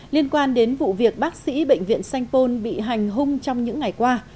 liên quan đến vụ việc bác sĩ bệnh viện sanh pôn bị hành hung trong những ngày qua